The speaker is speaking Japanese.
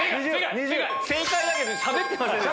正解だけどしゃべってますよね。